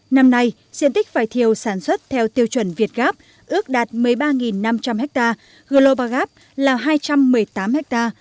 năm nay diện tích vải thiều sản xuất theo tiêu chuẩn việt gáp ước đạt một mươi ba năm trăm linh ha global gap là hai trăm một mươi tám ha